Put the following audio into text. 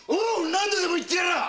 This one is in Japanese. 何度でも言ってやらぁ！